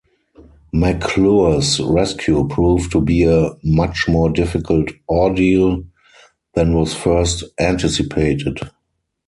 McClure's rescue proved to be a much more difficult ordeal than was first anticipated.